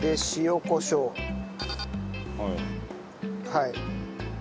はい。